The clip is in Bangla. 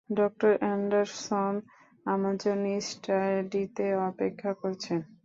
ডঃ এন্ডারসন আমার জন্য স্টাডিতে অপেক্ষা করছেন।